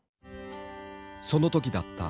その時だった。